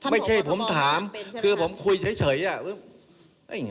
ไม่ใช่ผมถามคือผมคุยเฉยอะ